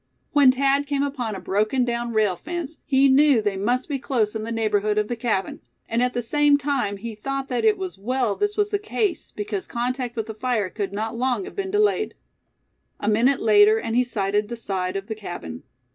When Thad came upon a broken down rail fence, he knew they must be close in the neighborhood of the cabin; and at the same time he thought that it was well this was the case, because contact with the fire could not long have been delayed. A minute later, and he sighted the side of the cabin.